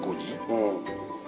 うん。